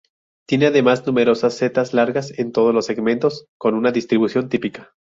Tiene además numerosas setas largas en todos los segmentos con una distribución típica.